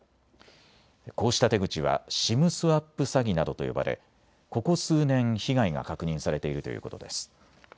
こうした手口はＳＩＭスワップ詐欺などと呼ばれここ数年、被害が確認されているということです。